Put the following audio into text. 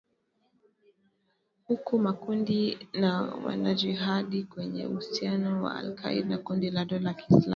huku makundi ya wanajihadi yenye uhusiano na al Qaeda na kundi la dola ya Kiislamu